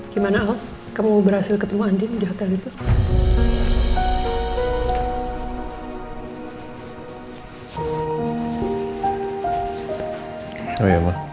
gimana kamu berhasil ketemu andi di hotel itu